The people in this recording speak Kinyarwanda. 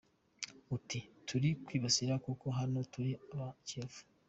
Ati “Turi kwibasira kuko hano turi aba-Kikuyu.